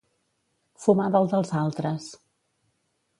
Fumar del dels altres.